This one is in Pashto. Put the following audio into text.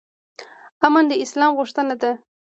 امن د اسلام غوښتنه ده